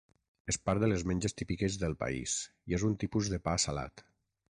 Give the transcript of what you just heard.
És part de les menges típiques del país i és un tipus de pa salat.